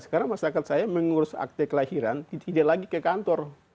sekarang masyarakat saya mengurus akte kelahiran tidak lagi ke kantor